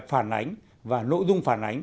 phản ánh và nội dung phản ánh